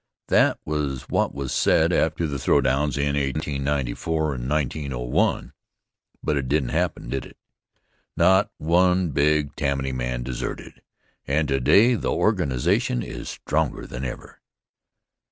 That was what was said after the throwdowns in 1894 and 1901. But it didn't happen, did it? Not one big Tammany man deserted, and today the organization is stronger than ever.